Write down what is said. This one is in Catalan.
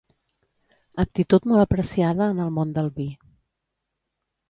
Aptitud molt apreciada en el món del vi.